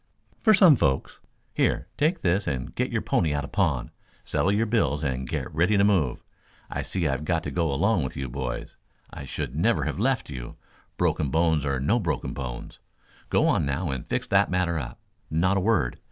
"For some folks. Here, take this and get your pony out of pawn, settle your bills and get ready to move. I see I've got to go along with you boys. I should never have left you, broken bones or no broken bones. Go on now and fix that matter up. Not a word.